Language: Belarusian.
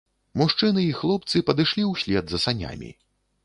Мужчыны і хлопцы падышлі ўслед за санямі.